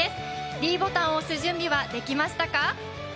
ｄボタンを押す準備はできましたか？